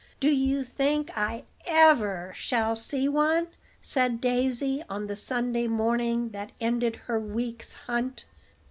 Do you think I ever shall see one?" said Daisy, on the Sunday morning that ended her week's hunt.